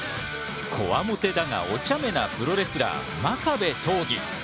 コワモテだがおちゃめなプロレスラー真壁刀義！